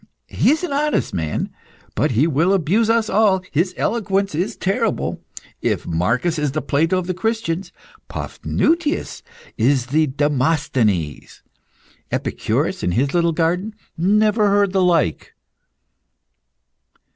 He is an honest man, but he will abuse us all; his eloquence is terrible. If Marcus is the Plato of the Christians, Paphnutius is the Demosthenes. Epicurus, in his little garden, never heard the like."